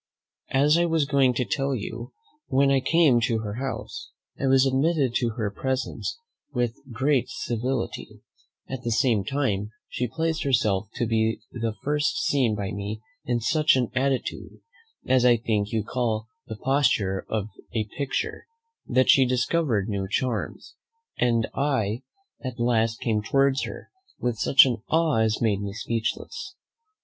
As I was going to tell you, when I came to her house I was admitted to her presence with great civility; at the same time she placed herself to be first seen by me in such an attitude, as I think you call the posture of a picture, that she discovered new charms, and I at last came towards her with such an awe as made me speechless.